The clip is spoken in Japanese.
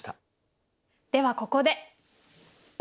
ではここで。